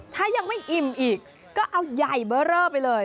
ถ้ายังไม่อิ่มอีกก็เอาใหญ่เบอร์เรอไปเลย